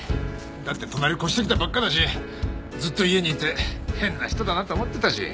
だって隣越してきたばっかだしずっと家にいて変な人だなって思ってたし。